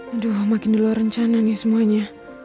aduh makin dulu rencana nih semuanya